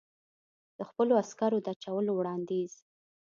د خپلو عسکرو د اچولو وړاندیز.